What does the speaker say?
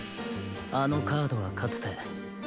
あのカードはかつて。